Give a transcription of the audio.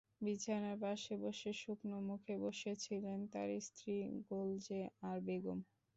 বিছানার পাশে বসে শুকনো মুখে বসেছিলেন তাঁর স্ত্রী গোলজে আরা বেগম।